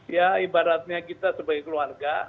ya ibaratnya kita sebagai keluarga